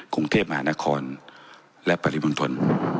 กรุงเทพฯหมานครและปริมงตน